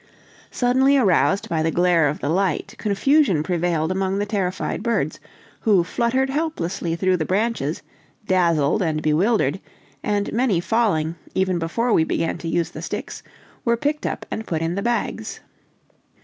Suddenly aroused by the glare of light, confusion prevailed among the terrified birds, who fluttered helplessly through the branches, dazzled and bewildered, and many falling, even before we began to use the sticks, were picked up, and put in the bags.